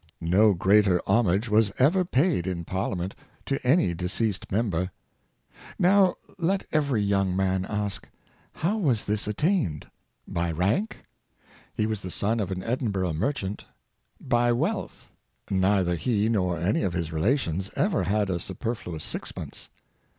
No greater homage was ever paid in Par liament to any deceased member. Now let every young man ask — how was this attained.^ By rank.^ He was the son of an Edinburgh merchant. By wealth ? Neither he, nor any of his relations, ever had a super fluous sixpence.